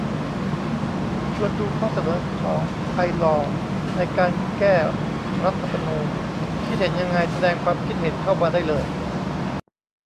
ชวนดูข้อเสนอของไอลอว์ ในการ แก้รัฐธรรมนูญ คิดเห็นยังไง แสดงความคิดเห็นเข้ามาได้เลย